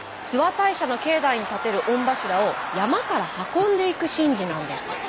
諏訪大社の境内に立てる御柱を山から運んでいく神事なんです。